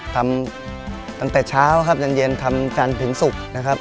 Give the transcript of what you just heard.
ทำตั้งแต่เช้าจนเย็นทำจานผิงสุก